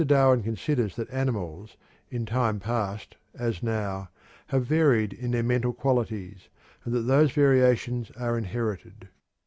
Darwin considers that animals, in time past as now, have varied in their mental qualities, and that those variations are inherited.